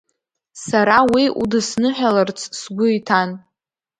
Сара уи удысныҳәаларц сгәы иҭан…